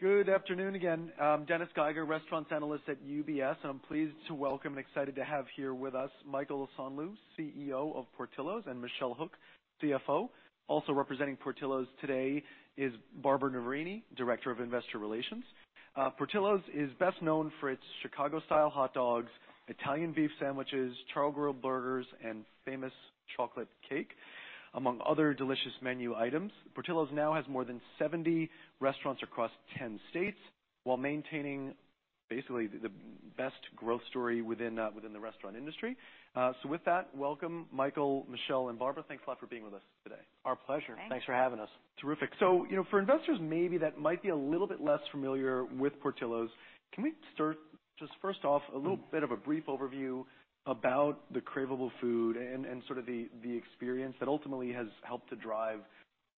Good afternoon again. Dennis Geiger, Restaurants Analyst at UBS, I'm pleased to welcome and excited to have here with us Michael Osanloo, CEO of Portillo's, and Michelle Hook, CFO. Also representing Portillo's today is Barbara Noverini, Director of Investor Relations. Portillo's is best known for its Chicago-style hot dogs, Italian beef sandwiches, char-grilled burgers, and famous chocolate cake, among other delicious menu items. Portillo's now has more than 70 restaurants across 10 states while maintaining basically the best growth story within the restaurant industry. With that, welcome, Michael, Michelle, and Barbara. Thanks a lot for being with us today. Our pleasure. Thanks. Thanks for having us. Terrific. You know, for investors maybe that might be a little bit less familiar with Portillo's, can we start just first off, a little bit of a brief overview about the craveable food and sort of the experience that ultimately has helped to drive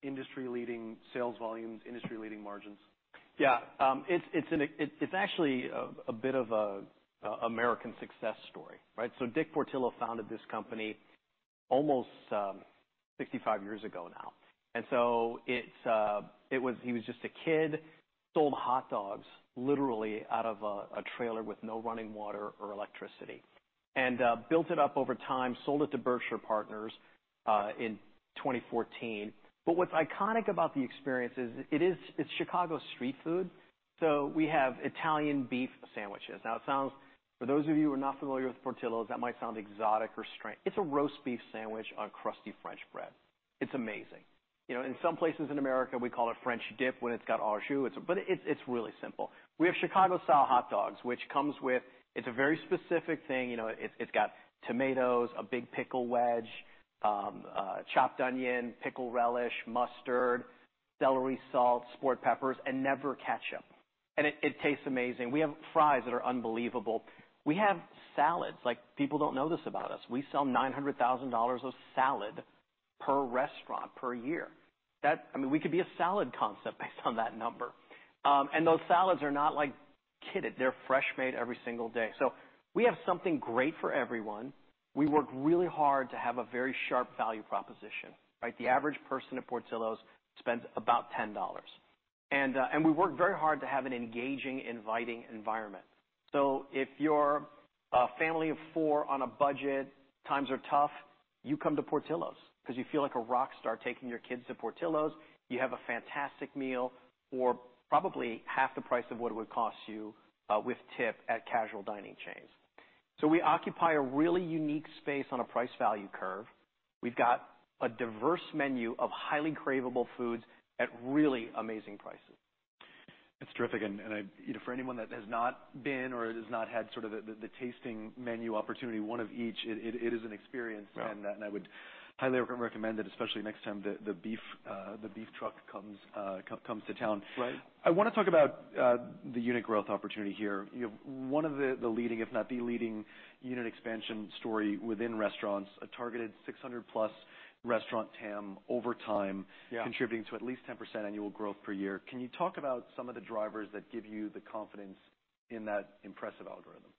industry-leading sales volumes, industry-leading margins? it's an, it's actually a bit of a American success story, right? D Portillo founded this company almost 65 years ago now. it's, he was just a kid, sold hot dogs literally out of a trailer with no running water or electricity. built it up over time, sold it to Berkshire Partners in 2014. What's iconic about the experience is it's Chicago street food, so we have Italian Beef sandwiches. Now it sounds, for those of you who are not familiar with Portillo's, that might sound exotic or strange. It's a roast beef sandwich on crusty French bread. It's amazing. You know, in some places in America, we call it French dip when it's got au jus. it's really simple. We have Chicago-style hot dogs, which comes with. It's a very specific thing. You know, it's got tomatoes, a big pickle wedge, chopped onion, pickle relish, mustard, celery salt, sport peppers, and never ketchup. It tastes amazing. We have fries that are unbelievable. We have salads. Like, people don't know this about us. We sell $900,000 of salad per restaurant per year. That. I mean, we could be a salad concept based on that number. Those salads are not like kidded. They're fresh made every single day. We have something great for everyone. We work really hard to have a very sharp value proposition, right? The average person at Portillo's spends about $10. We work very hard to have an engaging, inviting environment. If you're a family of four on a budget, times are tough, you come to Portillo's 'cause you feel like a rock star taking your kids to Portillo's. You have a fantastic meal for probably half the price of what it would cost you with tip at casual dining chains. We occupy a really unique space on a price-value curve. We've got a diverse menu of highly craveable foods at really amazing prices. That's terrific. You know, for anyone that has not been or has not had sort of the tasting menu opportunity, one of each, it is an experience. Yeah. I would highly recommend it, especially next time the beef, the beef truck comes to town. Right. I wanna talk about the unique growth opportunity here. You know, one of the leading, if not the leading, unit expansion story within restaurants, a targeted 600+ restaurant TAM over time... Yeah... contributing to at least 10% annual growth per year. Can you talk about some of the drivers that give you the confidence in that impressive algorithm?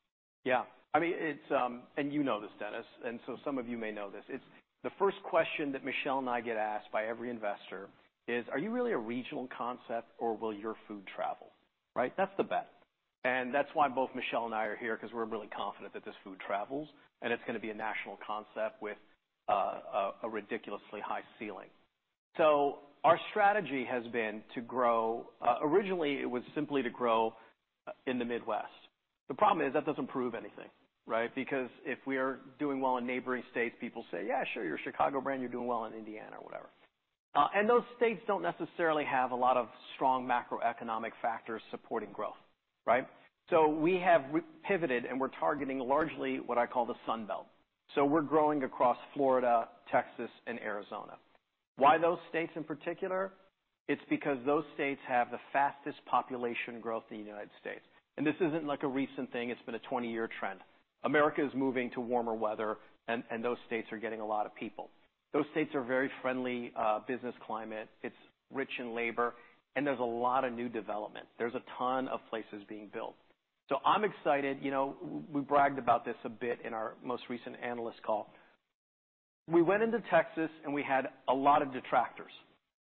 Yeah. I mean, you know this, Dennis, and so some of you may know this. It's the first question that Michelle Hook and I get asked by every investor is, "Are you really a regional concept, or will your food travel," right? That's the bet. That's why both Michelle Hook and I are here 'cause we're really confident that this food travels, and it's gonna be a national concept with a ridiculously high ceiling. Our strategy has been to grow, originally it was simply to grow in the Midwest. The problem is that doesn't prove anything, right? Because if we're doing well in neighboring states, people say, "Yeah, sure, you're a Chicago brand. You're doing well in Indiana or whatever." Those states don't necessarily have a lot of strong macroeconomic factors supporting growth, right? we have pivoted, we're targeting largely what I call the Sun Belt. we're growing across Florida, Texas, and Arizona. Why those states in particular? It's because those states have the fastest population growth in the United States. This isn't like a recent thing. It's been a 20-year trend. America is moving to warmer weather, and those states are getting a lot of people. Those states are very friendly business climate. It's rich in labor, and there's a lot of new development. There's a ton of places being built. I'm excited. You know, we bragged about this a bit in our most recent analyst call. We went into Texas, and we had a lot of detractors,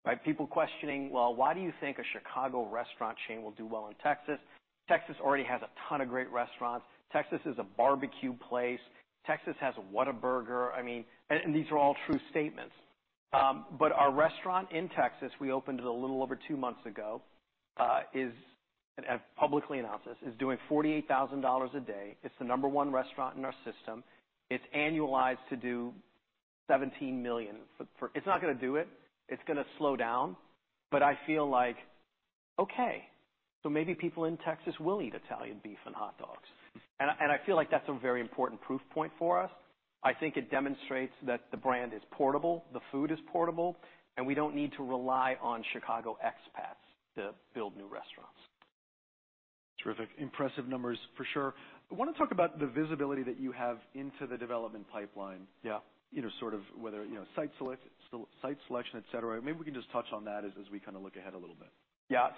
right? People questioning, "Well, why do you think a Chicago restaurant chain will do well in Texas? Texas already has a ton of great restaurants. Texas is a barbecue place. Texas has Whataburger." I mean, and these are all true statements. Our restaurant in Texas, we opened it a little over two months ago, is, and I've publicly announced this, is doing $48,000 a day. It's the number one restaurant in our system. It's annualized to do $17 million for. It's not gonna do it. It's gonna slow down. I feel like, okay, so maybe people in Texas will eat Italian Beef and hot dogs. I feel like that's a very important proof point for us. I think it demonstrates that the brand is portable, the food is portable, and we don't need to rely on Chicago expats to build new restaurants. Terrific. Impressive numbers for sure. I wanna talk about the visibility that you have into the development pipeline. Yeah. You know, sort of whether, you know, site selection, et cetera. Maybe we can just touch on that as we kinda look ahead a little bit. Yeah.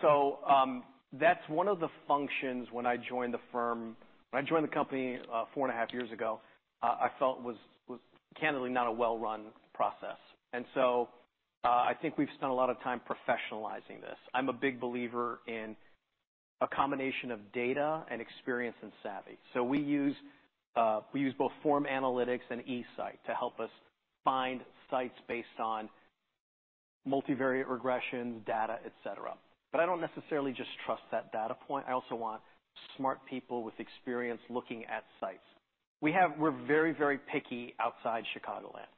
That's one of the functions when I joined the company, four and a half years ago, I felt was candidly not a well-run process. I think we've spent a lot of time professionalizing this. I'm a big believer in a combination of data and experience and savvy. We use both Form Analytics and eSite to help us find sites based on multivariate regression data, et cetera. I don't necessarily just trust that data point. I also want smart people with experience looking at sites. We're very picky outside Chicagoland.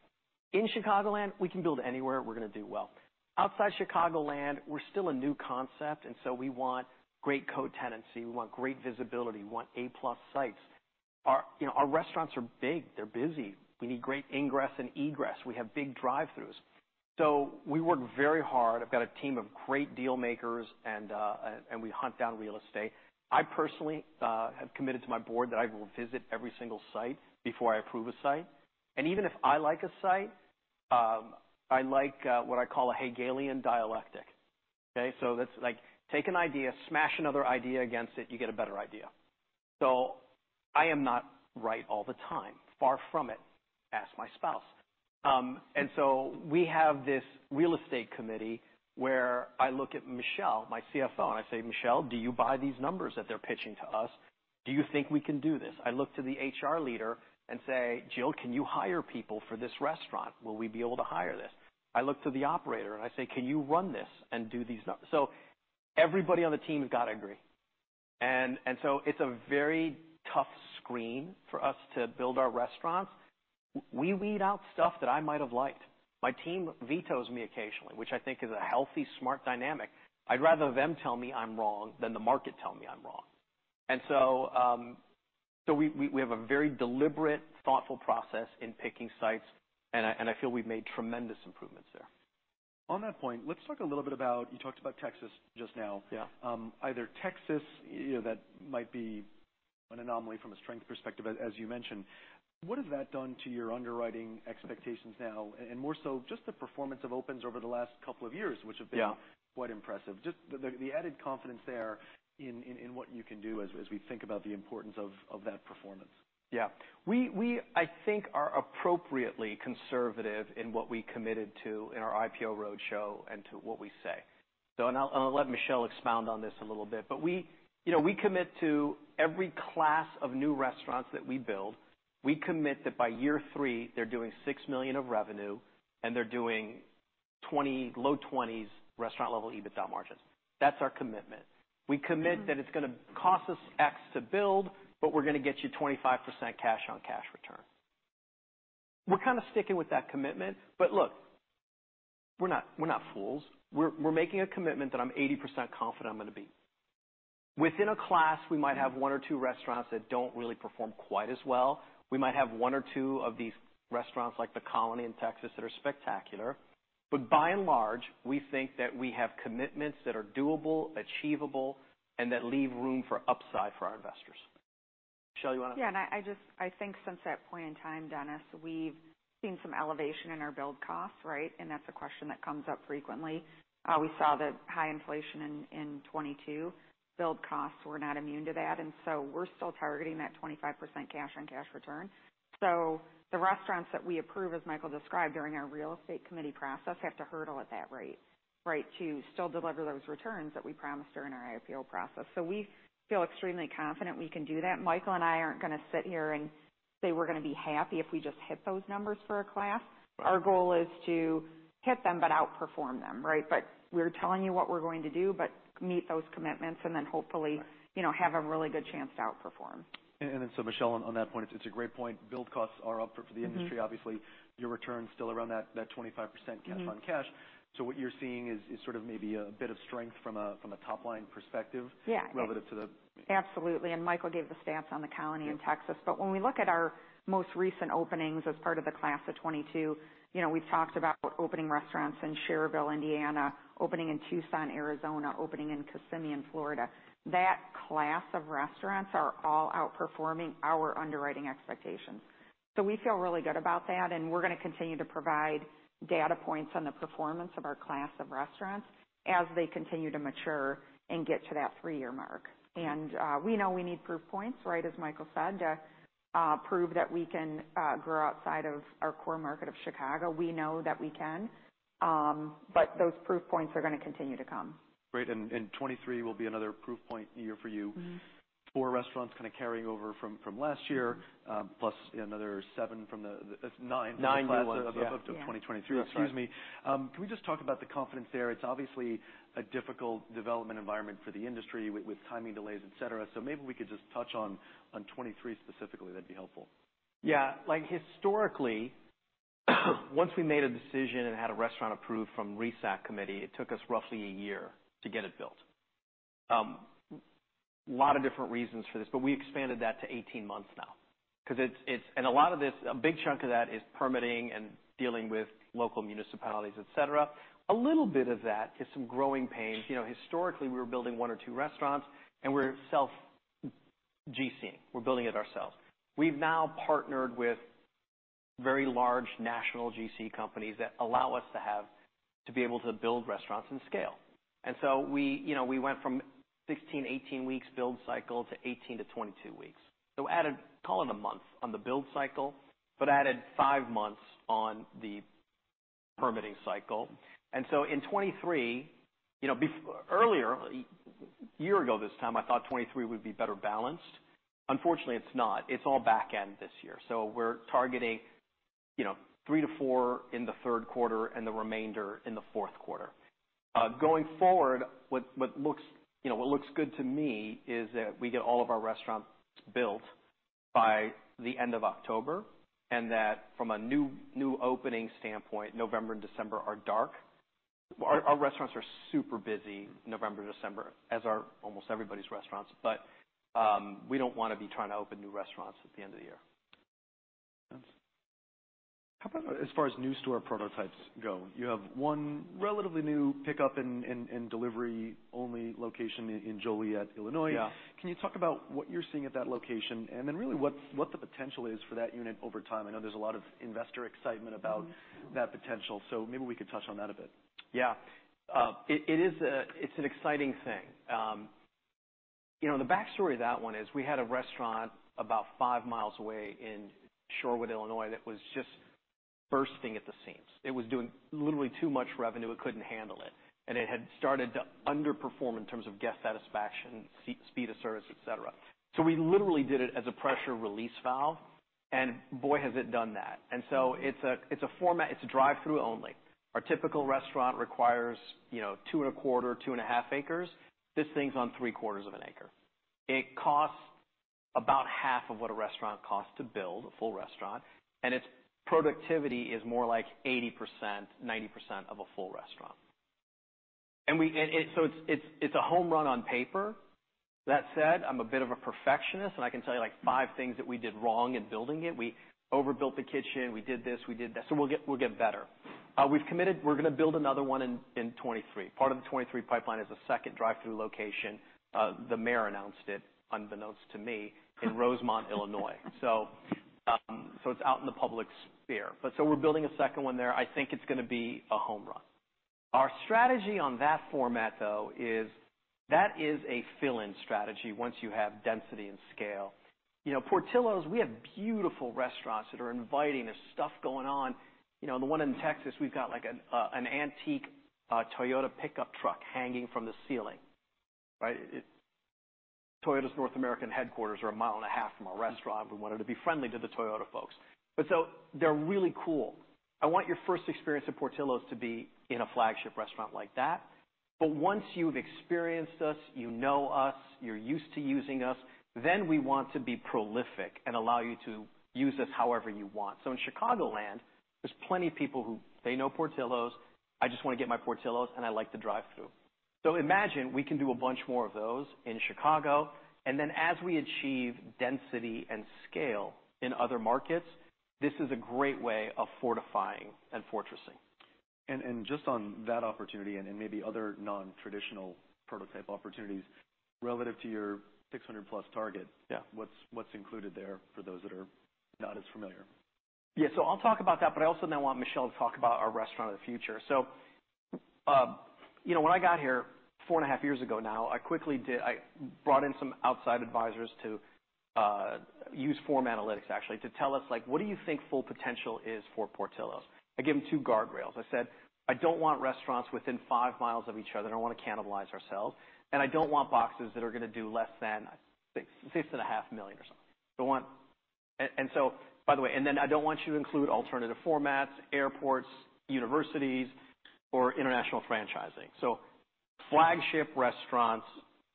In Chicagoland, we can build anywhere, we're gonna do well. Outside Chicagoland, we're still a new concept, we want great co-tenancy, we want great visibility, we want A+ sites. Our, you know, our restaurants are big, they're busy. We need great ingress and egress. We have big drive-throughs. We work very hard. I've got a team of great deal makers, we hunt down real estate. I personally have committed to my board that I will visit every single site before I approve a site. Even if I like a site, I like what I call a Hegelian dialectic. Okay? That's like, take an idea, smash another idea against it, you get a better idea. I am not right all the time. Far from it. Ask my spouse. We have this real estate committee where I look at Michelle, my CFO, and I say, "Michelle, do you buy these numbers that they're pitching to us? Do you think we can do this?" I look to the HR leader and say, "Jill, can you hire people for this restaurant? Will we be able to hire this?" I look to the operator and I say, "Can you run this and do these numbers?" Everybody on the team has got to agree. It's a very tough screen for us to build our restaurants. We weed out stuff that I might have liked. My team vetoes me occasionally, which I think is a healthy, smart dynamic. I'd rather them tell me I'm wrong than the market tell me I'm wrong. We have a very deliberate, thoughtful process in picking sites, and I feel we've made tremendous improvements there. On that point, let's talk a little bit about, you talked about Texas just now. Yeah. Either Texas, you know, that might be an anomaly from a strength perspective, as you mentioned. What has that done to your underwriting expectations now? More so, just the performance of opens over the last couple of years, which have been. Yeah. Quite impressive. Just the added confidence there in what you can do as we think about the importance of that performance. Yeah. We I think are appropriately conservative in what we committed to in our IPO roadshow and to what we say. I'll let Michelle expound on this a little bit. We, you know, we commit to every class of new restaurants that we build, we commit that by year three, they're doing $6 million of revenue and they're doing 20%, low 20% restaurant-level EBITDA margins. That's our commitment. We commit that it's gonna cost us X to build, but we're gonna get you 25% cash on cash return. We're kinda sticking with that commitment. Look, we're not, we're not fools. We're making a commitment that I'm 80% confident I'm gonna beat. Within a class, we might have one or two restaurants that don't really perform quite as well. We might have one or two of these restaurants like The Colony in Texas that are spectacular. By and large, we think that we have commitments that are doable, achievable, and that leave room for upside for our investors. Michelle, you wanna? Yeah. I think since that point in time, Dennis, we've seen some elevation in our build costs, right? That's a question that comes up frequently. We saw the high inflation in 2022. Build costs were not immune to that, and so we're still targeting that 25% cash on cash return. The restaurants that we approve, as Michael described, during our real estate committee process, have to hurdle at that rate, right? To still deliver those returns that we promised during our IPO process. We feel extremely confident we can do that. Michael and I aren't gonna sit here and say we're gonna be happy if we just hit those numbers for a class. Right. Our goal is to hit them, but outperform them, right? We're telling you what we're going to do, but meet those commitments and then hopefully- Right. you know, have a really good chance to outperform. Michelle, on that point, it's a great point. Build costs are up for the industry. Mm-hmm. Obviously, your return's still around that 25% cash on cash. Mm-hmm. What you're seeing is sort of maybe a bit of strength from a top-line perspective. Yeah. relative to the... Absolutely. Michael gave the stats on The Colony in Texas. Yeah. When we look at our most recent openings as part of the class of 2022, you know, we've talked about opening restaurants in Schererville, Indiana, opening in Tucson, Arizona, opening in Kissimmee in Florida. That class of restaurants are all outperforming our underwriting expectations. We feel really good about that, and we're gonna continue to provide data points on the performance of our class of restaurants as they continue to mature and get to that three year mark. We know we need proof points, right, as Michael said, to prove that we can grow outside of our core market of Chicago. We know that we can, but those proof points are gonna continue to come. Great. 2023 will be another proof point year for you. Mm-hmm. Four restaurants kinda carrying over from last year. Mm-hmm. plus another seven from nine new ones. -from the class of 2023. Yeah. Sorry. Excuse me. Can we just talk about the confidence there? It's obviously a difficult development environment for the industry with timing delays, et cetera. Maybe we could just touch on 2023 specifically, that'd be helpful. Yeah. Like, historically, once we made a decision and had a restaurant approved from RESAC committee, it took us roughly a year to get it built. A lot of different reasons for this, but we expanded that to 18 months now 'cause it's, and a lot of this, a big chunk of that is permitting and dealing with local municipalities, et cetera. A little bit of that is some growing pains. You know, historically, we were building one or two restaurants and we're self GC-ing. We're building it ourselves. We've now partnered with very large national GC companies that allow us to be able to build restaurants and scale. We, you know, we went from 16-18 weeks build cycle to 18-22 weeks. Added, call it a month on the build cycle, but added five months on the permitting cycle. In 2023, you know, earlier, a year ago this time, I thought 2023 would be better balanced. Unfortunately, it's not. It's all back end this year. We're targeting, you know, 3-4 in the third quarter and the remainder in the fourth quarter. Going forward, what looks, you know, what looks good to me is that we get all of our restaurants built by the end of October, and that from a new opening standpoint, November and December are dark. Our restaurants are super busy November, December, as are almost everybody's restaurants. We don't wanna be trying to open new restaurants at the end of the year. How about as far as new store prototypes go? You have one relatively new pickup and delivery only location in Joliet, Illinois. Yeah. Can you talk about what you're seeing at that location and really, what's, what the potential is for that unit over time? I know there's a lot of investor excitement about that potential, maybe we could touch on that a bit. Yeah. It is an exciting thing. You know, the backstory of that one is we had a restaurant about five miles away in Shorewood, Illinois, that was just bursting at the seams. It was doing literally too much revenue, it couldn't handle it, and it had started to underperform in terms of guest satisfaction, speed of service, et cetera. We literally did it as a pressure release valve, and boy, has it done that. It's a format, it's a drive-through only. Our typical restaurant requires, you know, two and a quarter, two and a half acres. This thing's on three quarters of an acre. It costs about half of what a restaurant costs to build, a full restaurant, and its productivity is more like 80%, 90% of a full restaurant. We, and so it's a home run on paper. That said, I'm a bit of a perfectionist, and I can tell you like five things that we did wrong in building it. We overbuilt the kitchen. We did this, we did that. We'll get better. We've committed, we're gonna build another one in 2023. Part of the 2023 pipeline is a second drive-through location. The mayor announced it, unbeknownst to me, in Rosemont, Illinois. It's out in the public sphere. We're building a second one there. I think it's gonna be a home run. Our strategy on that format, though, is that is a fill-in strategy once you have density and scale. You know, Portillo's, we have beautiful restaurants that are inviting. There's stuff going on. You know, the one in Texas, we've got like an antique Toyota pickup truck hanging from the ceiling, right? Toyota's North American headquarters are a mile and a half from our restaurant. We wanted to be friendly to the Toyota folks. They're really cool. I want your first experience at Portillo's to be in a flagship restaurant like that. Once you've experienced us, you know us, you're used to using us, then we want to be prolific and allow you to use us however you want. In Chicagoland, there's plenty of people who they know Portillo's, I just wanna get my Portillo's, and I like the drive-through. Imagine we can do a bunch more of those in Chicago, and then as we achieve density and scale in other markets, this is a great way of fortifying and fortressing. Just on that opportunity and maybe other non-traditional prototype opportunities, relative to your 600+ target. Yeah. What's included there for those that are not as familiar? Yeah. I'll talk about that, but I also now want Michelle to talk about our Restaurant of the Future. You know, when I got here four and a half years ago now, I brought in some outside advisors to use Form Analytics actually, to tell us, like, what do you think full potential is for Portillo's? I gave them two guardrails. I said, "I don't want restaurants within five miles of each other. I don't wanna cannibalize ourselves, and I don't want boxes that are gonna do less than $6 million, $6.5 million or something. By the way, and then I don't want you to include alternative formats, airports, universities, or international franchising. Flagship restaurants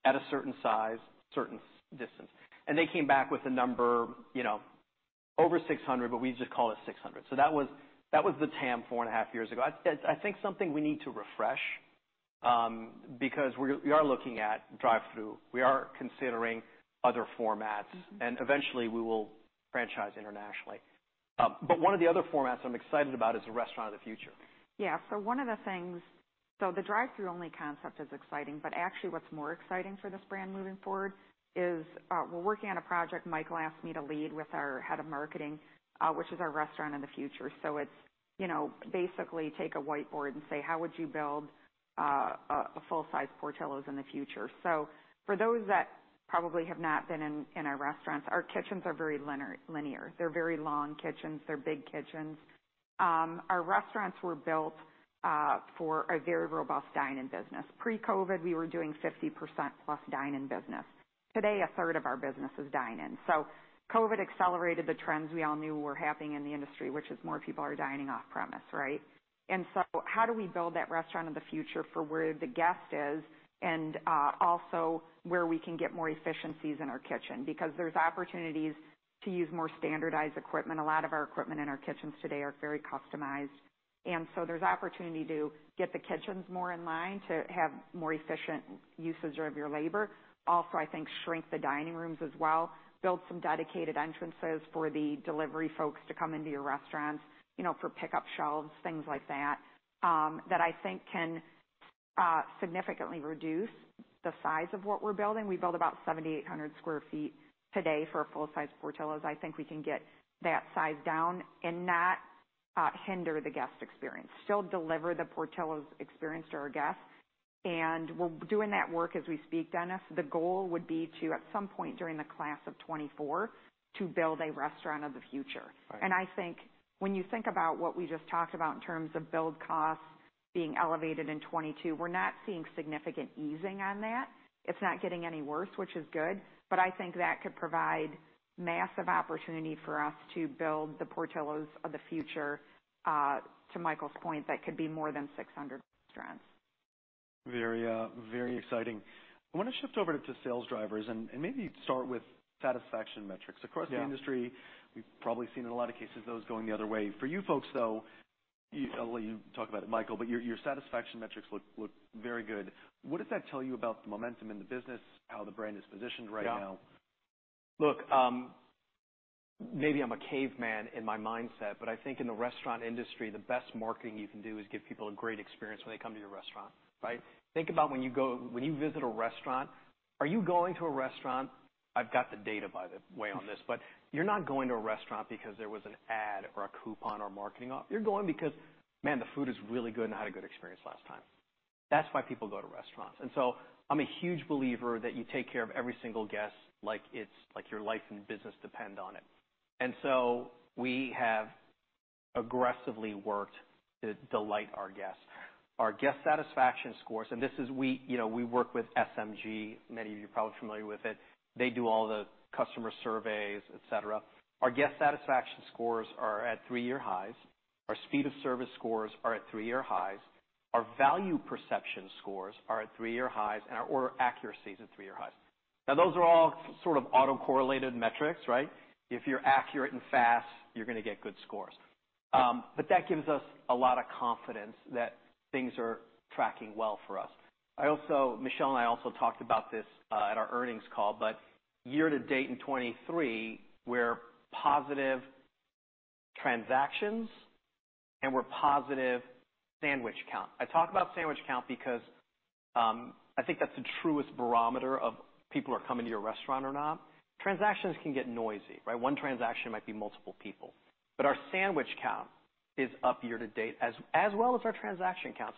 at a certain size, certain distance. They came back with a number, you know, over 600, but we just call it 600. That was the TAM four and a half years ago. I think something we need to refresh, because we are looking at drive-through. We are considering other formats, and eventually we will franchise internationally. One of the other formats I'm excited about is the Restaurant of the Future. The drive-through only concept is exciting, but actually what's more exciting for this brand moving forward is we're working on a project Michael asked me to lead with our head of marketing, which is our Restaurant of the Future. It's, you know, basically take a whiteboard and say, "How would you build a full-size Portillo's in the future?" For those that probably have not been in our restaurants, our kitchens are very linear. They're very long kitchens. They're big kitchens. Our restaurants were built for a very robust dine-in business. Pre-COVID, we were doing 50% plus dine-in business. Today, a third of our business is dine-in. COVID accelerated the trends we all knew were happening in the industry, which is more people are dining off-premise, right? How do we build that Restaurant of the Future for where the guest is and also where we can get more efficiencies in our kitchen? Because there's opportunities to use more standardized equipment. A lot of our equipment in our kitchens today are very customized, there's opportunity to get the kitchens more in line, to have more efficient usage of your labor. Also, I think shrink the dining rooms as well. Build some dedicated entrances for the delivery folks to come into your restaurants, you know, for pickup shelves, things like that I think can significantly reduce the size of what we're building. We build about 70-800 sq ft today for a full-size Portillo's. I think we can get that size down and not hinder the guest experience. Still deliver the Portillo's experience to our guests, and we're doing that work as we speak, Dennis. The goal would be to, at some point during the class of 2024, to build a Restaurant of the Future. Right. I think when you think about what we just talked about in terms of build costs being elevated in 2022, we're not seeing significant easing on that. It's not getting any worse, which is good, but I think that could provide massive opportunity for us to build the Portillo's of the future. To Michael's point, that could be more than 600 restaurants. Very, very exciting. I wanna shift over to sales drivers and maybe start with satisfaction metrics. Yeah. Across the industry, we've probably seen in a lot of cases those going the other way. For you folks, though, I'll let you talk about it, Michael, but your satisfaction metrics look very good. What does that tell you about the momentum in the business, how the brand is positioned right now? Yeah. Look, maybe I'm a caveman in my mindset, but I think in the restaurant industry, the best marketing you can do is give people a great experience when they come to your restaurant, right? Think about when you visit a restaurant, I've got the data, by the way, on this, but you're not going to a restaurant because there was an ad or a coupon or marketing offer. You're going because, man, the food is really good, and I had a good experience last time. That's why people go to restaurants. I'm a huge believer that you take care of every single guest like your life and business depend on it. We have aggressively worked to delight our guests. Our guest satisfaction scores, and this is we, you know, we work with SMG. Many of you are probably familiar with it. They do all the customer surveys, et cetera. Our guest satisfaction scores are at three-year highs. Our speed of service scores are at three-year highs. Our value perception scores are at three-year highs, and our order accuracy is at three-year highs. Those are all sort of autocorrelated metrics, right? If you're accurate and fast, you're gonna get good scores. That gives us a lot of confidence that things are tracking well for us. Michelle and I also talked about this at our earnings call, year to date in 2023, we're positive transactions, and we're positive sandwich count. I talk about sandwich count because I think that's the truest barometer of people are coming to your restaurant or not. Transactions can get noisy, right? One transaction might be multiple people. Our sandwich count is up year to date as well as our transaction count.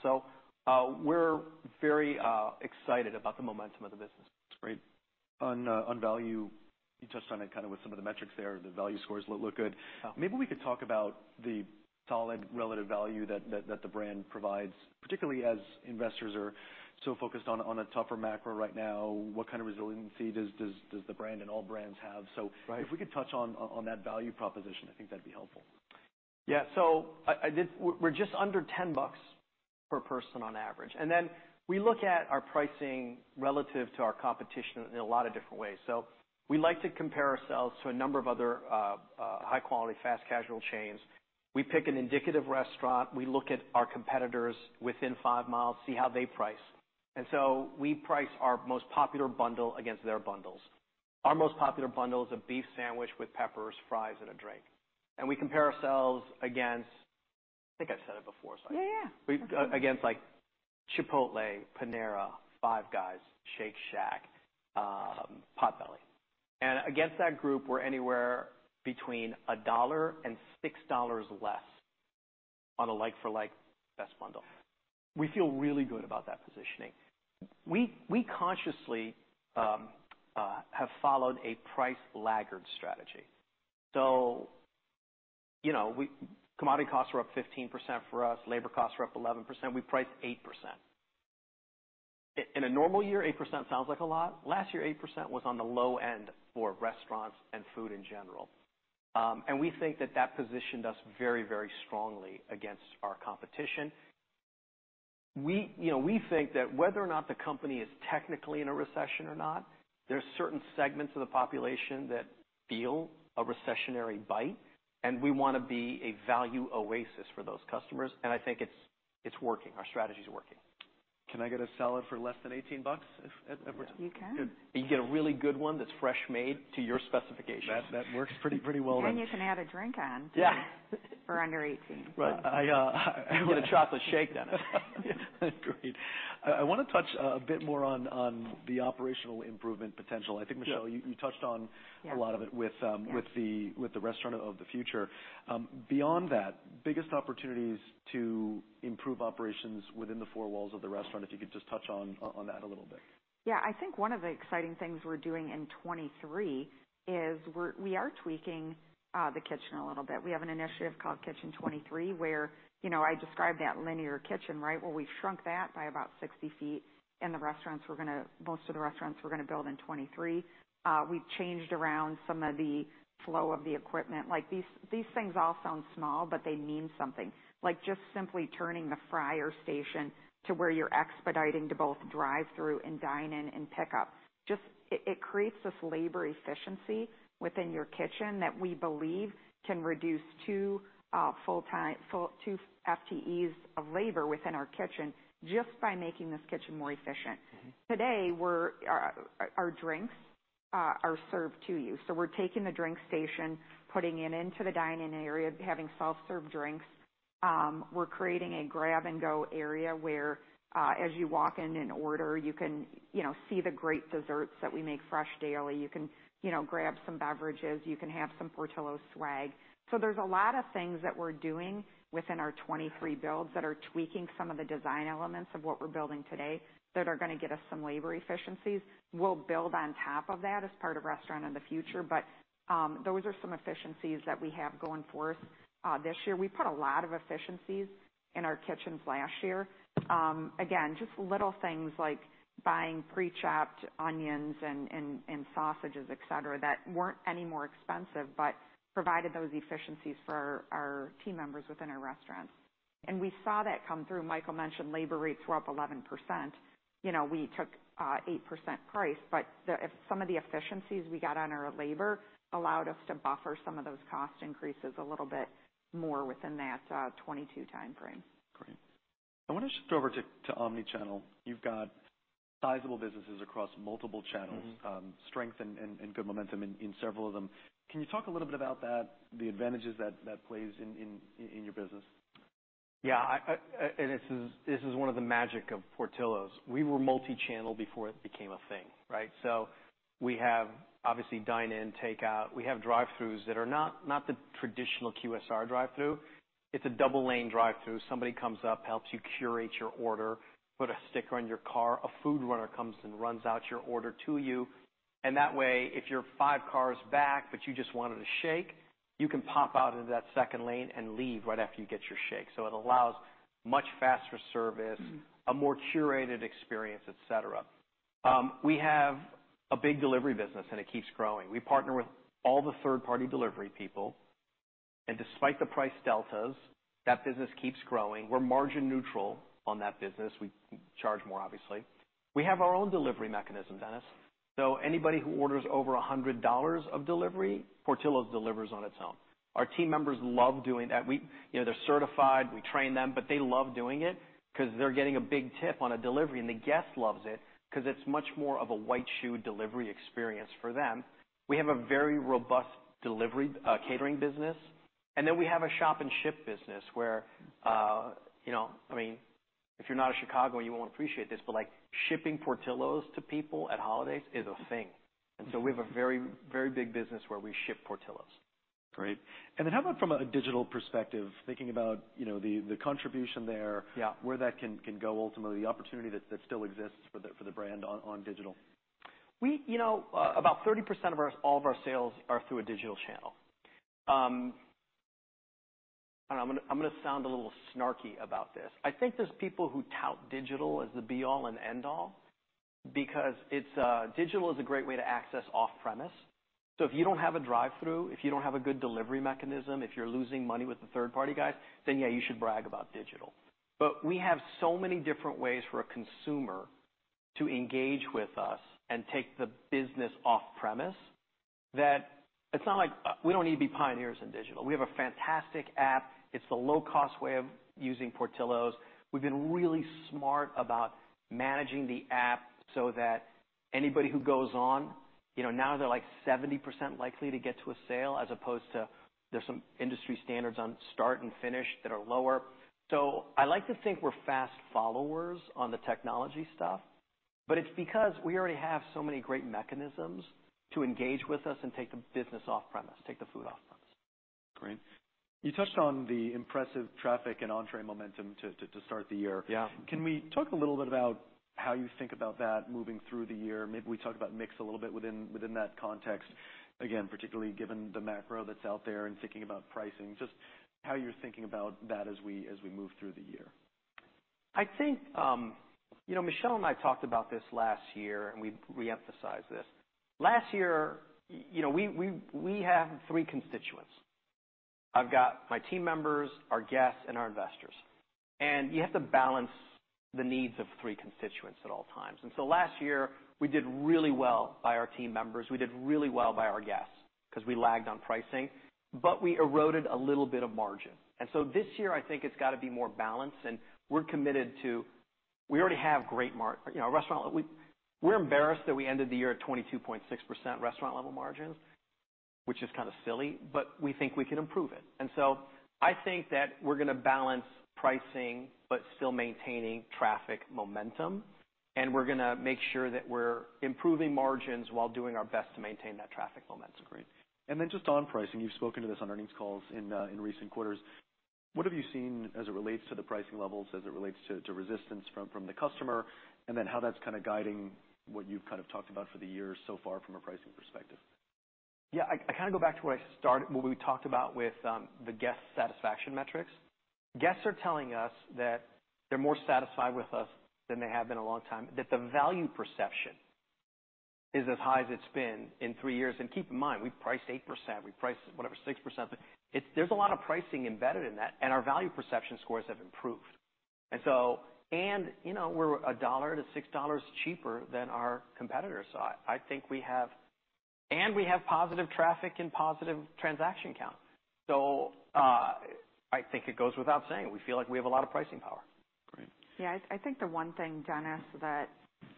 We're very excited about the momentum of the business. Great. On value, you touched on it kinda with some of the metrics there. The value scores look good. Yeah. Maybe we could talk about the solid relative value that the brand provides, particularly as investors are so focused on a tougher macro right now. What kind of resiliency does the brand and all brands have? Right. If we could touch on that value proposition, I think that'd be helpful. Yeah. We're just under $10 per person on average. We look at our pricing relative to our competition in a lot of different ways. We like to compare ourselves to a number of other high-quality fast-casual chains. We pick an indicative restaurant. We look at our competitors within five miles, see how they price. We price our most popular bundle against their bundles. Our most popular bundle is a beef sandwich with peppers, fries, and a drink. We compare ourselves against... I think I've said it before, so I- Yeah, yeah. Against, like, Chipotle, Panera, Five Guys, Shake Shack, Potbelly. Against that group, we're anywhere between $1 and $6 less on a like-for-like best bundle. We feel really good about that positioning. We consciously have followed a price laggard strategy. You know, commodity costs are up 15% for us. Labor costs are up 11%. We priced 8%. In a normal year, 8% sounds like a lot. Last year, 8% was on the low end for restaurants and food in general. We think that that positioned us very, very strongly against our competition. We, you know, we think that whether or not the company is technically in a recession or not, there's certain segments of the population that feel a recessionary bite. We wanna be a value oasis for those customers. I think it's working. Our strategy is working. Can I get a salad for less than $18 at Portillo's? You can. Good. You get a really good one that's fresh made to your specifications. That works pretty well then. You can add a drink on. Yeah. -for under 18. Right. I. With a chocolate shake, Dennis. Great. I wanna touch a bit more on the operational improvement potential. Yeah. I think, Michelle, you touched on- Yeah. a lot of it with, Yeah. With the Restaurant of the Future. Beyond that, biggest opportunities to improve operations within the four walls of the restaurant, if you could just touch on that a little bit? Yeah. I think one of the exciting things we're doing in 2023 is we are tweaking the kitchen a little bit. We have an initiative called Kitchen 2023 where, you know, I described that linear kitchen, right? Well, we've shrunk that by about 60 feet in the restaurants we're gonna build in 2023. We've changed around some of the flow of the equipment. Like, these things all sound small, but they mean something. Like, just simply turning the fryer station to where you're expediting to both drive through and dine in and pick up, just it creates this labor efficiency within your kitchen that we believe can reduce two FTEs of labor within our kitchen just by making this kitchen more efficient. Mm-hmm. Today, Our drinks. Are served to you. We're taking the drink station, putting it into the dine-in area, having self-serve drinks. We're creating a grab-and-go area where, as you walk in and order, you can, you know, see the great desserts that we make fresh daily. You can, you know, grab some beverages, you can have some Portillo's swag. There's a lot of things that we're doing within our 2023 builds that are tweaking some of the design elements of what we're building today that are gonna get us some labor efficiencies. We'll build on top of that as part of Restaurant of the Future, but, those are some efficiencies that we have going forth this year. We put a lot of efficiencies in our kitchens last year. Again, just little things like buying pre-chopped onions and sausages, et cetera, that weren't any more expensive but provided those efficiencies for our team members within our restaurants. We saw that come through. Michael mentioned labor rates were up 11%. You know, we took 8% price, but the some of the efficiencies we got on our labor allowed us to buffer some of those cost increases a little bit more within that 2022 timeframe. Great. I wanna shift over to omni-channel. You've got sizable businesses across multiple channels. Mm-hmm. Strength and good momentum in several of them. Can you talk a little bit about that, the advantages that plays in your business? Yeah. I, this is, this is one of the magic of Portillo's. We were multi-channel before it became a thing, right? We have, obviously, dine-in, takeout. We have drive-throughs that are not the traditional QSR drive-through. It's a double lane drive-through. Somebody comes up, helps you curate your order, put a sticker on your car. A food runner comes and runs out your order to you. That way, if you're five cars back but you just wanted a shake, you can pop out into that second lane and leave right after you get your shake. It allows much faster service. Mm. A more curated experience, et cetera. We have a big delivery business. It keeps growing. We partner with all the third-party delivery people. Despite the price deltas, that business keeps growing. We're margin neutral on that business. We charge more, obviously. We have our own delivery mechanism, Dennis. Anybody who orders over $100 of delivery, Portillo's delivers on its own. Our team members love doing that. You know, they're certified, we train them, but they love doing it 'cause they're getting a big tip on a delivery, and the guest loves it 'cause it's much more of a white shoe delivery experience for them. We have a very robust delivery, catering business, and then we have a shop and ship business where, you know, I mean, if you're not a Chicagoan, you won't appreciate this, but, like, shipping Portillo's to people at holidays is a thing. We have a very, very big business where we ship Portillo's. Great. How about from a digital perspective, thinking about, you know, the contribution there... Yeah. where that can go ultimately, the opportunity that still exists for the brand on digital. We You know, about 30% of all of our sales are through a digital channel. I'm gonna sound a little snarky about this. I think there's people who tout digital as the be all and end all because it's Digital is a great way to access off-premise. If you don't have a drive-through, if you don't have a good delivery mechanism, if you're losing money with the third party guys, then yeah, you should brag about digital. We have so many different ways for a consumer to engage with us and take the business off-premise, that it's not like We don't need to be pioneers in digital. We have a fantastic app. It's the low cost way of using Portillo's. We've been really smart about managing the app so that anybody who goes on, you know, now they're like 70% likely to get to a sale as opposed to there's some industry standards on start and finish that are lower. I like to think we're fast followers on the technology stuff, but it's because we already have so many great mechanisms to engage with us and take the business off-premise, take the food off-premise. Great. You touched on the impressive traffic and entree momentum to start the year. Yeah. Can we talk a little bit about how you think about that moving through the year? Maybe we talk about mix a little bit within that context, again, particularly given the macro that's out there and thinking about pricing, just how you're thinking about that as we move through the year. I think, you know, Michelle and I talked about this last year. We reemphasized this. Last year, we have three constituents. I've got my team members, our guests, and our investors. You have to balance the needs of three constituents at all times. Last year, we did really well by our team members. We did really well by our guests 'cause we lagged on pricing. We eroded a little bit of margin. This year, I think it's gotta be more balanced, and we're committed to... We already have great, you know, restaurant, we're embarrassed that we ended the year at 22.6% restaurant level margins, which is kind of silly. We think we can improve it. I think that we're gonna balance pricing but still maintaining traffic momentum, and we're gonna make sure that we're improving margins while doing our best to maintain that traffic momentum. Great. Then just on pricing, you've spoken to this on earnings calls in recent quarters. What have you seen as it relates to the pricing levels, as it relates to resistance from the customer, and then how that's kind of guiding what you've kind of talked about for the year so far from a pricing perspective? Yeah. I kind of go back to where I started, what we talked about with the guest satisfaction metrics. Guests are telling us that they're more satisfied with us than they have been a long time, that the value perception is as high as it's been in three years. Keep in mind, we priced 8%, we priced, whatever, 6%. It's, there's a lot of pricing embedded in that, and our value perception scores have improved. And so... you know, we're $1 to $6 cheaper than our competitors. I think we have... And we have positive traffic and positive transaction count. I think it goes without saying, we feel like we have a lot of pricing power. Yeah, I think the one thing, Dennis, that,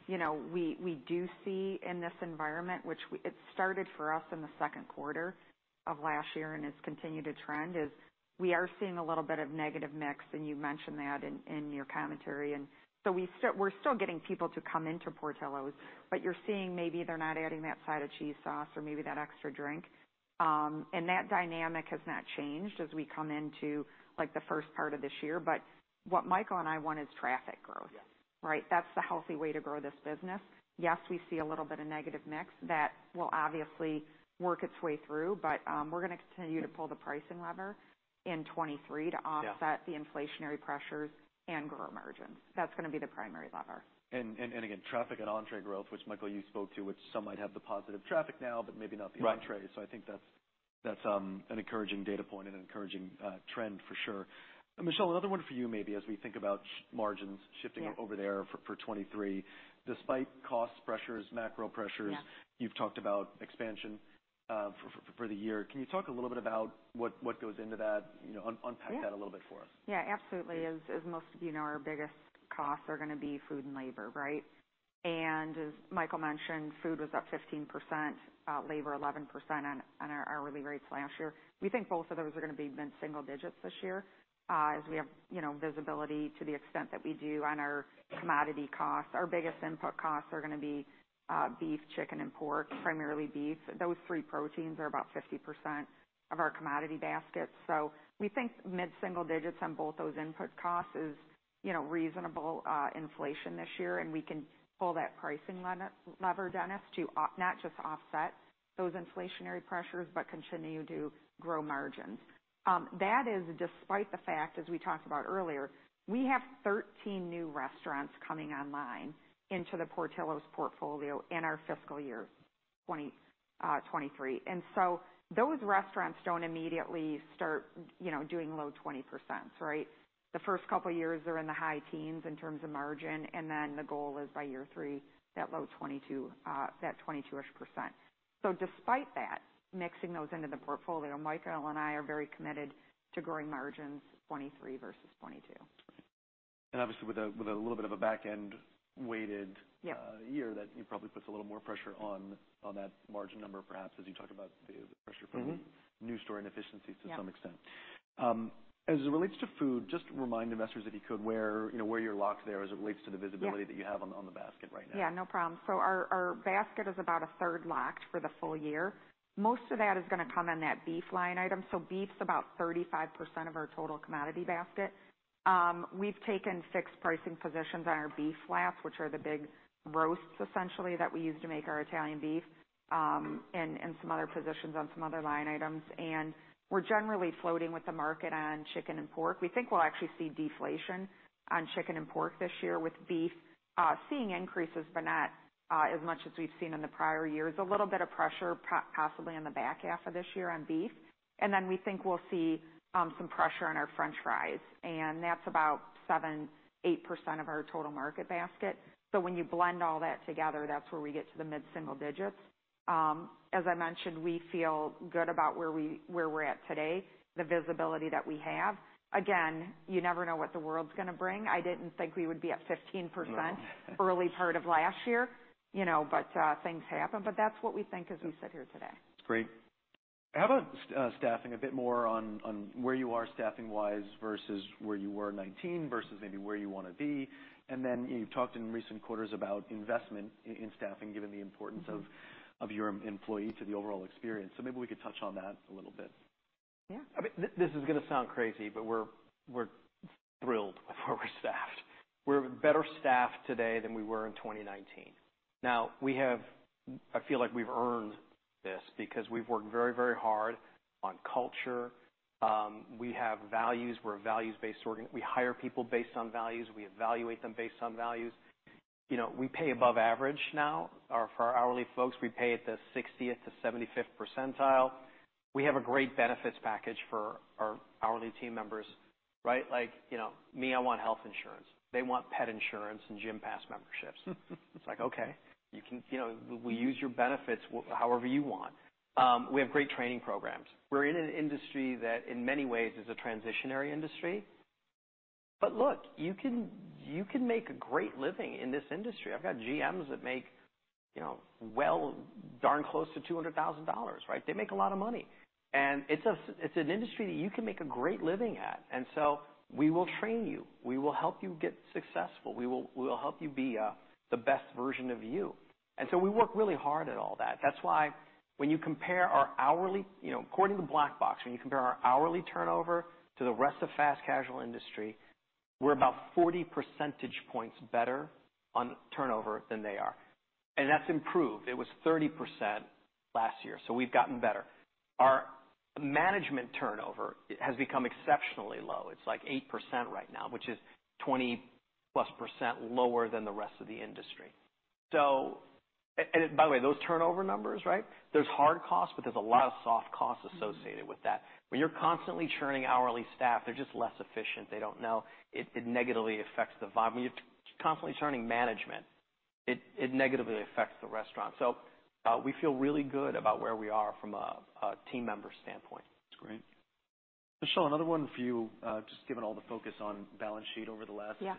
you know, we do see in this environment, which it started for us in the second quarter of last year and has continued to trend, is we are seeing a little bit of negative mix, and you mentioned that in your commentary. We're still getting people to come into Portillo's, but you're seeing maybe they're not adding that side of cheese sauce or maybe that extra drink. That dynamic has not changed as we come into, like, the first part of this year. What Michael and I want is traffic growth, right? That's the healthy way to grow this business. Yes, we see a little bit of negative mix that will obviously work its way through, but we're gonna continue to pull the pricing lever in 2023 to offset the inflationary pressures and grow margins. That's gonna be the primary lever. Again, traffic and entree growth, which Michael, you spoke to, which some might have the positive traffic now, but maybe not the entree. I think that's an encouraging data point and an encouraging trend for sure. Michelle, another one for you maybe as we think about margins shifting over there for 2023. Despite cost pressures, macro pressures, you've talked about expansion for the year. Can you talk a little bit about what goes into that? You know, unpack that a little bit for us. Yeah, absolutely. As most of you know, our biggest costs are gonna be food and labor, right? As Michael mentioned, food was up 15%, labor 11% on our hourly rates last year. We think both of those are gonna be mid-single digits this year, as we have, you know, visibility to the extent that we do on our commodity costs. Our biggest input costs are gonna be beef, chicken, and pork, primarily beef. Those three proteins are about 50% of our commodity basket. We think mid-single digits on both those input costs is, you know, reasonable inflation this year, and we can pull that pricing lever, Dennis, to not just offset those inflationary pressures, but continue to grow margins. That is despite the fact, as we talked about earlier, we have 13 new restaurants coming online into the Portillo's portfolio in our fiscal year 2023. Those restaurants don't immediately start, you know, doing low 20%, right? The first couple of years, they're in the high teens in terms of margin, and then the goal is by year three, that low 22%, that 22%-ish. Despite that, mixing those into the portfolio, Michael and I are very committed to growing margins 2023 versus 2022. Obviously, with a little bit of a back-end weighted year that probably puts a little more pressure on that margin number, perhaps, as you talk about the pressure from new store inefficiencies to some extent. As it relates to food, just remind investors if you could where, you know, where you're locked there as it relates to the visibility that you have on the basket right now. Yeah, no problem. Our, our basket is about a third locked for the full year. Most of that is gonna come on that beef line item. Beef's about 35% of our total commodity basket. We've taken fixed pricing positions on our beef flaps, which are the big roasts essentially that we use to make our Italian Beef, and some other positions on some other line items. We're generally floating with the market on chicken and pork. We think we'll actually see deflation on chicken and pork this year with beef seeing increases, but not as much as we've seen in the prior years. A little bit of pressure possibly in the back half of this year on beef. We think we'll see some pressure on our french fries, and that's about 7%, 8% of our total market basket. When you blend all that together, that's where we get to the mid-single digits. As I mentioned, we feel good about where we're at today, the visibility that we have. Again, you never know what the world's gonna bring. I didn't think we would be at 15% early part of last year, you know, but things happen. That's what we think as we sit here today. Great. How about staffing? A bit more on where you are staffing-wise versus where you were in 19 versus maybe where you wanna be. Then you've talked in recent quarters about investment in staffing, given the importance of your employee to the overall experience. Maybe we could touch on that a little bit. Yeah. I mean, this is gonna sound crazy, but we're thrilled with where we're staffed. We're better staffed today than we were in 2019. Now I feel like we've earned this because we've worked very, very hard on culture. We have values. We're a values-based we hire people based on values. We evaluate them based on values. You know, we pay above average now. For our hourly folks, we pay at the 60th to 75th percentile. We have a great benefits package for our hourly team members, right? Like, you know me, I want health insurance. They want pet insurance and gym pass memberships. It's like, okay, you can, you know, use your benefits however you want. We have great training programs. We're in an industry that in many ways is a transitionary industry. Look, you can make a great living in this industry. I've got GMs that make, you know, well, darn close to $200,000, right? They make a lot of money. It's an industry that you can make a great living at. We will train you. We will help you get successful. We will help you be the best version of you. We work really hard at all that. That's why when you compare our hourly... You know, according to Black Box, when you compare our hourly turnover to the rest of fast-casual industry, we're about 40 percentage points better on turnover than they are. That's improved. It was 30% last year, so we've gotten better. Our management turnover has become exceptionally low. It's like 8% right now, which is 20%+ lower than the rest of the industry. By the way, those turnover numbers, right, there's hard costs, but there's a lot of soft costs associated with that. When you're constantly churning hourly staff, they're just less efficient. They don't know. It negatively affects the vibe. When you're constantly churning management. It negatively affects the restaurant. We feel really good about where we are from a team member standpoint. That's great. Michelle, another one for you, just given all the focus on balance sheet over the last. Yeah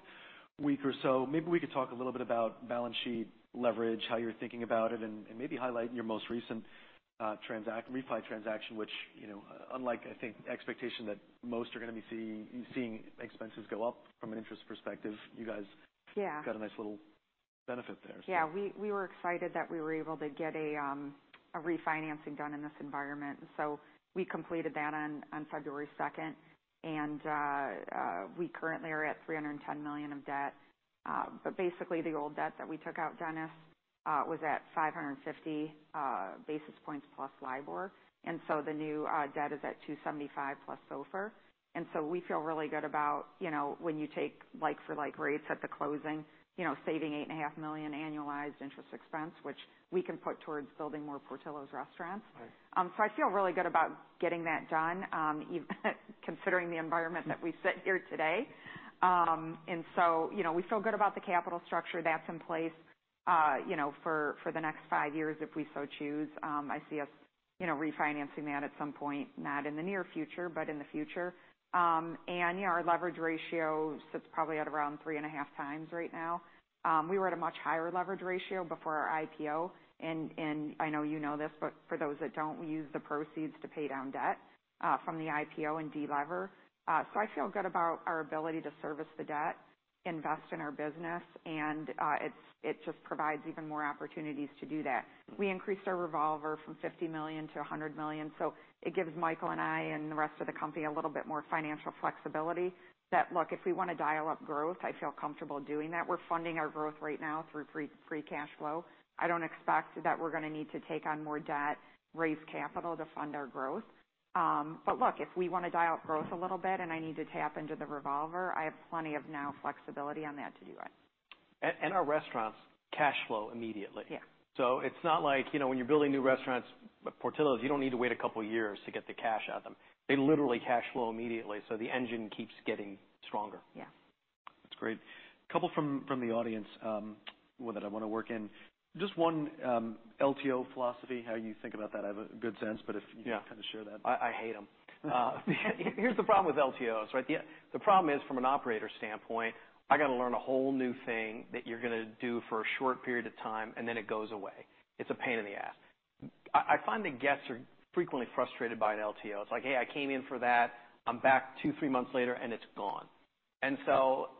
-week or so, maybe we could talk a little bit about balance sheet leverage, how you're thinking about it, and maybe highlight your most recent refi transaction, which, you know, unlike I think the expectation that most are gonna be seeing expenses go up from an interest perspective, you guys. Yeah got a nice little benefit there, so. Yeah, we were excited that we were able to get a refinancing done in this environment. We completed that on February second, and we currently are at $310 million of debt. Basically the old debt that we took out, Dennis, was at 550 basis points plus LIBOR. The new debt is at 275 plus SOFR. We feel really good about, you know, when you take like for like rates at the closing, you know, saving $8.5 million annualized interest expense, which we can put towards building more Portillo's restaurants. Right. I feel really good about getting that done, considering the environment that we sit here today. We feel good about the capital structure that's in place, you know, for the next five years if we so choose. I see us, you know, refinancing that at some point, not in the near future, but in the future. Yeah, our leverage ratio sits probably at around 3.5 times right now. We were at a much higher leverage ratio before our IPO, and I know you know this, but for those that don't, we used the proceeds to pay down debt from the IPO and de-lever. I feel good about our ability to service the debt, invest in our business, and it just provides even more opportunities to do that. We increased our revolver from $50 million to $100 million. It gives Michael and I and the rest of the company a little bit more financial flexibility that, look, if we wanna dial up growth, I feel comfortable doing that. We're funding our growth right now through free cash flow. I don't expect that we're gonna need to take on more debt, raise capital to fund our growth. Look, if we wanna dial up growth a little bit and I need to tap into the revolver, I have plenty of now flexibility on that to do it. Our restaurants cash flow immediately. Yeah. it's not like, you know, when you're building new restaurants, Portillo's, you don't need to wait a couple years to get the cash out of them. They literally cash flow immediately, so the engine keeps getting stronger. Yeah. That's great. Couple from the audience, one that I wanna work in. Just one, LTO philosophy, how you think about that. I have a good sense, but. Yeah You can kinda share that. I hate them. Here's the problem with LTOs, right? The problem is from an operator standpoint, I gotta learn a whole new thing that you're gonna do for a short period of time, and then it goes away. It's a pain in the ass. I find that guests are frequently frustrated by an LTO. It's like, "Hey, I came in for that. I'm back two, three months later, and it's gone."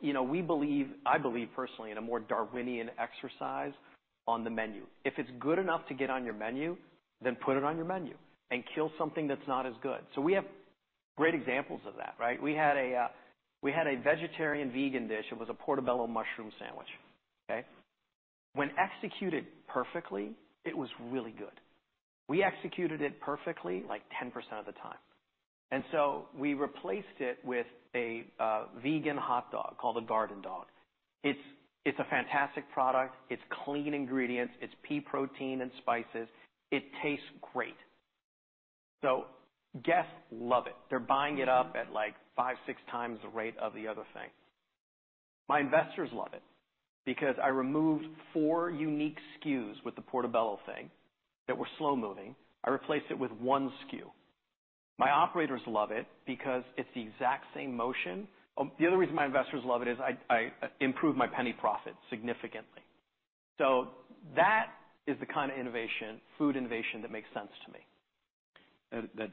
You know, we believe, I believe personally, in a more Darwinian exercise on the menu. If it's good enough to get on your menu, then put it on your menu and kill something that's not as good. We have great examples of that, right? We had a, we had a vegetarian vegan dish. It was a portobello mushroom sandwich, okay? When executed perfectly, it was really good. We executed it perfectly like 10% of the time. We replaced it with a vegan hotdog called a Garden Dog. It's a fantastic product. It's clean ingredients. It's pea protein and spices. It tastes great. Guests love it. They're buying it up at like 5, 6 times the rate of the other thing. My investors love it because I removed four unique SKUs with the portobello thing that were slow-moving. I replaced it with one SKU. My operators love it because it's the exact same motion. The other reason my investors love it is I improved my penny profit significantly. That is the kind of innovation, food innovation, that makes sense to me. That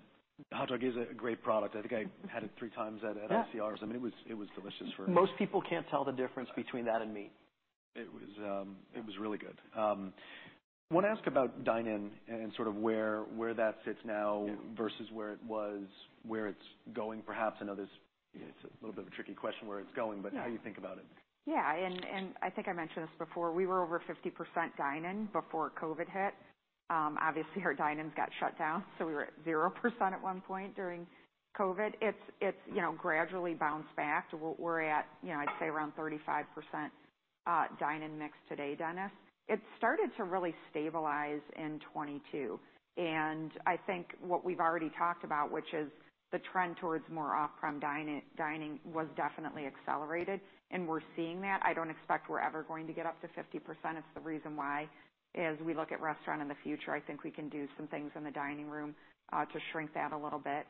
hotdog is a great product. I think I had it three times at RLC. Yeah. I mean, it was delicious. Most people can't tell the difference between that and meat. It was really good. Wanna ask about dine-in and sort of where that sits now? Yeah -versus where it was, where it's going perhaps. I know there's, it's a little bit of a tricky question where it's going- Yeah how you think about it. I think I mentioned this before. We were over 50% dine-in before COVID hit. Obviously our dine-ins got shut down, so we were at 0% at one point during COVID. It's, you know, gradually bounced back to we're at, you know, I'd say around 35% dine-in mix today, Dennis Geiger. It started to really stabilize in 2022, and I think what we've already talked about, which is the trend towards more off-prem dining, was definitely accelerated, and we're seeing that. I don't expect we're ever going to get up to 50%. It's the reason why as we look at Restaurant of the Future, I think we can do some things in the dining room to shrink that a little bit.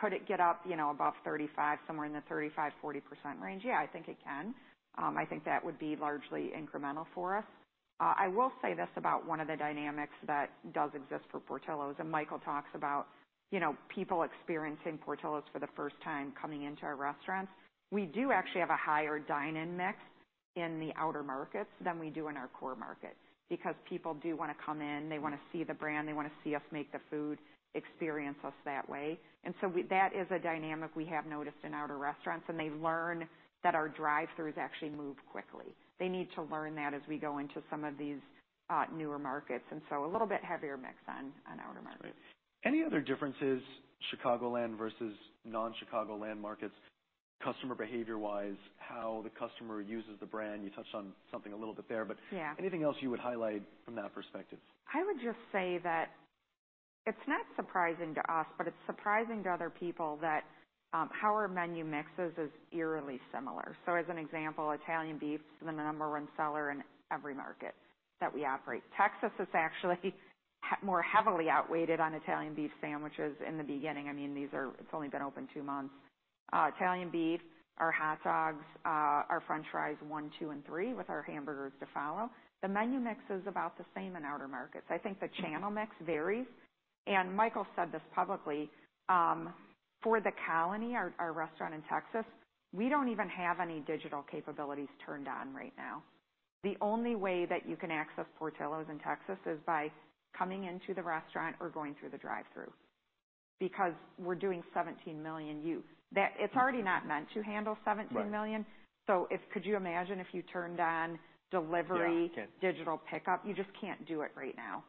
Could it get up, you know, above 35%, somewhere in the 35%-40% range? Yeah, I think it can. I think that would be largely incremental for us. I will say this about one of the dynamics that does exist for Portillo's, and Michael talks about, you know, people experiencing Portillo's for the first time coming into our restaurants. We do actually have a higher dine-in mix in the outer markets than we do in our core markets because people do wanna come in. They wanna see the brand. They wanna see us make the food, experience us that way. That is a dynamic we have noticed in outer restaurants, and they learn that our drive-throughs actually move quickly. They need to learn that as we go into some of these newer markets. A little bit heavier mix on outer markets. That's great. Any other differences Chicagoland versus non-Chicagoland markets customer behavior-wise, how the customer uses the brand? You touched on something a little bit there, but- Yeah anything else you would highlight from that perspective? I would just say that. It's not surprising to us, but it's surprising to other people that, how our menu mixes is eerily similar. As an example, Italian Beef is the number one seller in every market that we operate. Texas is actually more heavily outweighted on Italian Beef sandwiches in the beginning. I mean, these are. It's only been open two months. Italian Beef, our hot dogs, our french fries one, two, and three, with our hamburgers to follow. The menu mix is about the same in outer markets. Michael said this publicly, for The Colony, our restaurant in Texas, we don't even have any digital capabilities turned on right now. The only way that you can access Portillo's in Texas is by coming into the restaurant or going through the drive-thru, because we're doing $17 million. It's already not meant to handle $17 million. Right. could you imagine if you turned on delivery- Yeah. digital pickup? You just can't do it right now.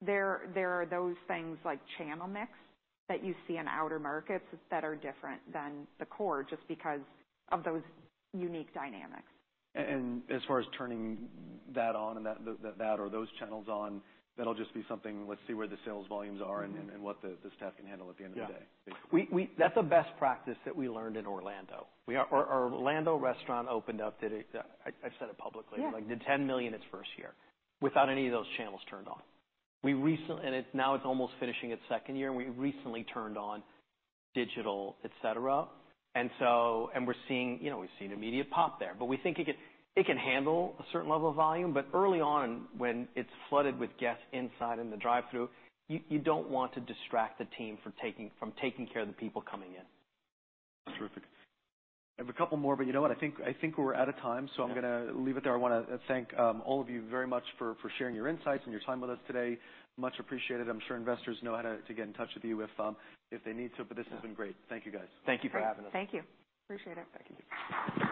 There are those things like channel mix that you see in outer markets that are different than the core just because of those unique dynamics. As far as turning that on and that or those channels on, that'll just be something, let's see where the sales volumes are and what the staff can handle at the end of the day. Yeah. That's a best practice that we learned in Orlando. Our Orlando restaurant opened up today. I said it publicly. Yeah. Like did $10 million its first year without any of those channels turned on. Now it's almost finishing its second year. We recently turned on digital, et cetera. We're seeing, you know, we've seen immediate pop there. We think it can handle a certain level of volume. Early on, when it's flooded with guests inside in the drive-thru, you don't want to distract the team from taking care of the people coming in. Terrific. I have a couple more, but you know what? I think we're out of time, so I'm gonna leave it there. I wanna thank all of you very much for sharing your insights and your time with us today. Much appreciated. I'm sure investors know how to get in touch with you if they need to, but this has been great. Thank you, guys. Thank you for having us. Thank you. Appreciate it. Thank you.